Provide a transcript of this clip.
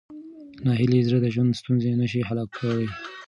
ناهیلي زړه د ژوند ستونزې نه شي حل کولی.